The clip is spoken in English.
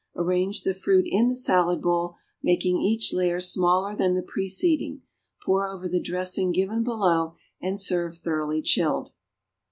Arrange the fruit in the salad bowl, making each layer smaller than the preceding. Pour over the dressing given below, and serve thoroughly chilled.